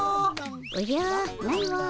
おじゃないわ。